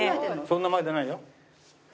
そんな前出ないよ。